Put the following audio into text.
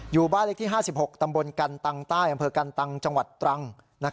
อยู่บ้านเล็กที่๕๖ตำบลกันตังตาเกินจังหวัดตรัง